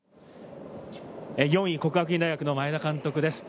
４位、國學院大學の前田監督です。